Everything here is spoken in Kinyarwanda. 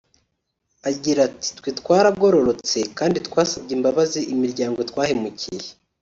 Agira ati “Twe twaragororotse kandi twasabye imbabazi imiryango twahemukiye